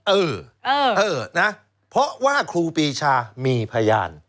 เออเออนะเพราะว่าครูปีชามีพยาน